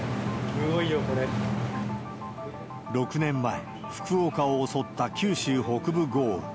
すごいよ、６年前、福岡を襲った九州北部豪雨。